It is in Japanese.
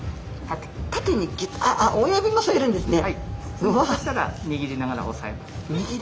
そしたら握りながらおさえる。